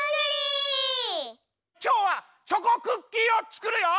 きょうはチョコクッキーをつくるよ。